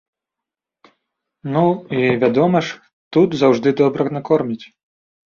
Ну і, вядома ж, тут заўжды добра накормяць.